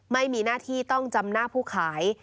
ไม่มีหน้าที่ต้องจำหน้าผู้ขาย